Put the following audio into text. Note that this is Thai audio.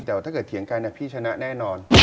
แต่ว่าถ้าเกิดเถียงกันพี่ชนะแน่นอน